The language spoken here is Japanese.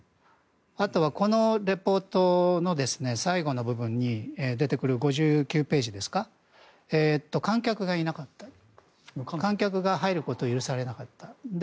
あとは、このレポートの最後の部分に出てくる５９ページですか、観客が入ることを許されなかった。